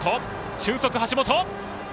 俊足、橋本。